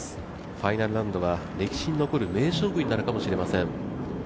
ファイナルラウンドは歴史に残る名勝負になるかもしれません。